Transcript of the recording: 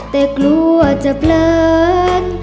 แต่กลัวจะเพลิน